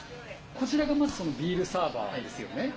こちらがまずそのビールサーバーですよね。